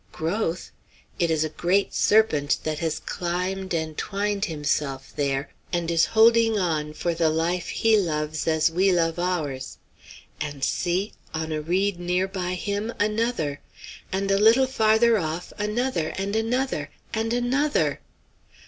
growth! It is a great serpent that has climbed and twined himself there, and is holding on for the life he loves as we love ours. And see! On a reed near by him, another; and a little farther off, another; and another and another!